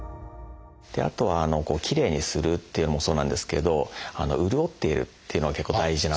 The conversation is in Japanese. あとはきれいにするっていうのもそうなんですけど潤っているっていうのが結構大事な。